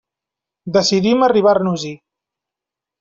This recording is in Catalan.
Decidim arribar-nos-hi.